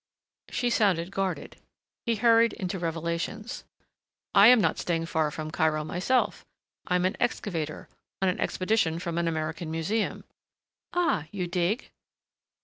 She sounded guarded.... He hurried into revelations. "I am staying not far from Cairo, myself. I am an excavator on an expedition from an American museum." "Ah, you dig?"